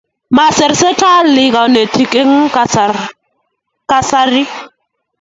Masir sekalit kanetik en kasari